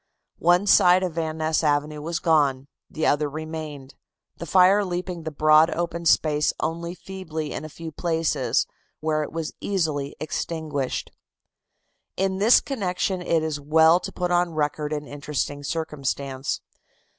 One side of Van Ness Avenue was gone; the other remained, the fire leaping the broad open space only feebly in a few places, where it was easily extinguished. In this connection it is well to put on record an interesting circumstance.